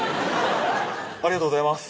「ありがとうございます」